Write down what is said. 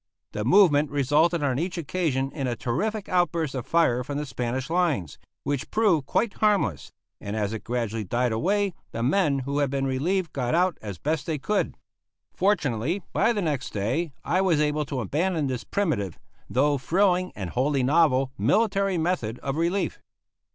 The movement resulted on each occasion in a terrific outburst of fire from the Spanish lines, which proved quite harmless; and as it gradually died away the men who had been relieved got out as best they could. Fortunately, by the next day I was able to abandon this primitive, though thrilling and wholly novel, military method of relief.